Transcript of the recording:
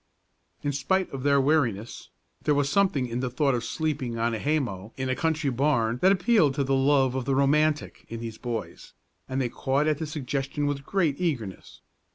In spite of their weariness, there was something in the thought of sleeping on a haymow in a country barn that appealed to the love of the romantic in these boys, and they caught at the suggestion with great eagerness.